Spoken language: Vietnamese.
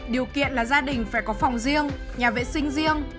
điều kiện là gia đình phải có phòng riêng nhà vệ sinh riêng